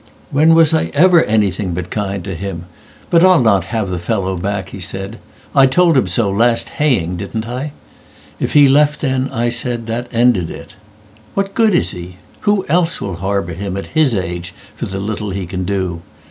"When was I ever anything but kind to him? But I'll not have the fellow back," he said."I told him so last haying, didn't I?'If he left then,' I said, 'that ended it.'What good is he? Who else will harbour himAt his age for the little he can do?